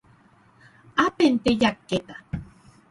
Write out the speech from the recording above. ápente jakéta